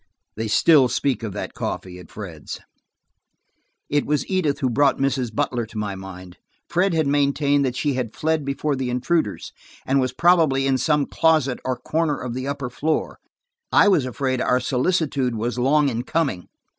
They still speak of that coffee at Fred's. It was Edith who brought Mrs. Butler to my mind. Fred had maintained that she had fled before the intruders, and had was probably in some closet or corner of the upper floor. I was afraid our solicitude was long in coming.